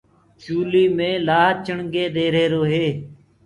چوليٚ مي لآه چِڻگينٚ دي رهيرو هي۔